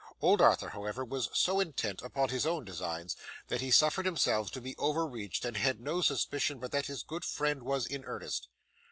Old Arthur, however, was so intent upon his own designs, that he suffered himself to be overreached, and had no suspicion but that his good friend was in earnest.